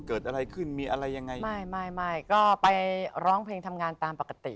เกิดอะไรขึ้นมีอะไรยังไง